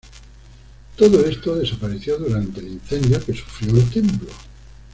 Todo esto desapareció durante el incendio que sufrió el templo.